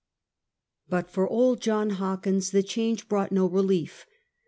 But fctf* old John Hawkins the change brought no relief.